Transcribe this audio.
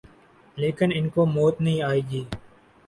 لیکن ان کوموت نہیں آئے گی